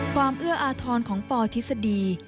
ความเอื้ออาธรณ์ของปธิสดี